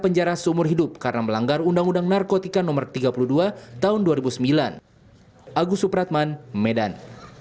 penjara seumur hidup karena melanggar undang undang narkotika no tiga puluh dua tahun dua ribu sembilan agus supratman medan